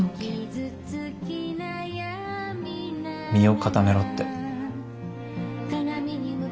身を固めろって。